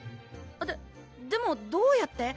ででもどうやって？